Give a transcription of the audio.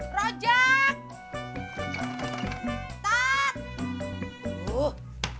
tidak ada yang mau inget